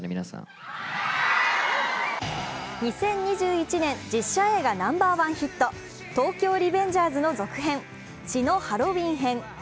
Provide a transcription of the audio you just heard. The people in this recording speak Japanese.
２０２１年、実写映画化ナンバーワンヒット、「東京リベンジャーズ」の続編「血のハロウィン編」。